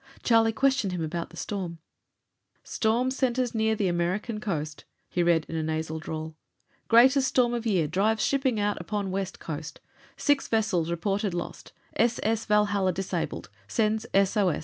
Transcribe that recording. Charlie questioned him about the storm. "Storm center nears the American coast," he read in a nasal drawl. "Greatest storm of year drives shipping upon west coast. Six vessels reported lost. S. S. Valhalla, disabled, sends S. O.